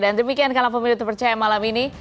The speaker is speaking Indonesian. dan demikian karena pemilu terpercaya malam ini